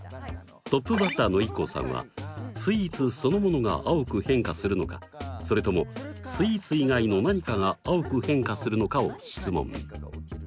トップバッターのＩＫＫＯさんはスイーツそのものが青く変化するのかそれともスイーツ以外の何かが青く変化するのかを質問。